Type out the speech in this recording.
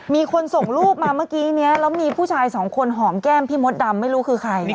มีคนส่งรูปมาเมื่อกี้นี้แล้วมีผู้ชายสองคนหอมแก้มพี่มดดำไม่รู้คือใคร